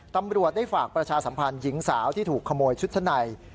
ตำรวจได้ฝากประชาสัมพันธ์หญิงสาวที่ถูกขโมยชุดชั้นใน